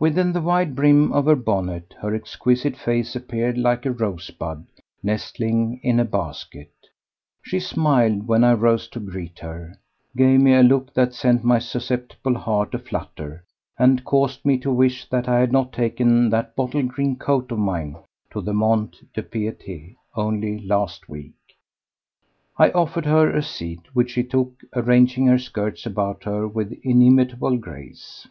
Within the wide brim of her bonnet her exquisite face appeared like a rosebud nestling in a basket. She smiled when I rose to greet her, gave me a look that sent my susceptible heart a flutter and caused me to wish that I had not taken that bottle green coat of mine to the Mont de Piété only last week. I offered her a seat, which she took, arranging her skirts about her with inimitable grace.